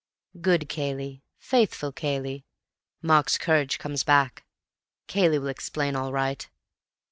"Good Cayley. Faithful Cayley! Mark's courage comes back. Cayley will explain all right.